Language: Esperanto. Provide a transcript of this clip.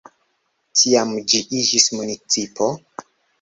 Tiam ĝi iĝis municipo.